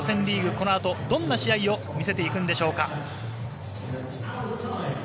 このあとどんな試合を見せていくんでしょうか。